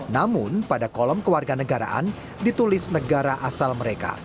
namun pada kolom kewarga negaraan ditulis negara asal mereka